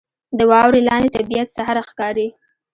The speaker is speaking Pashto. • د واورې لاندې طبیعت سحر ښکاري.